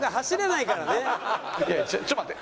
ちょっと待って。